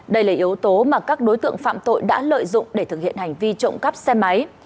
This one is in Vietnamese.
đây là yếu tố mà các đối tượng phạm tội đã lợi dụng để thực hiện hành vi trộm cắp xe máy